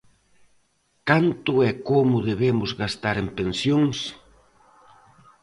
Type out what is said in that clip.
Canto e como debemos gastar en pensións?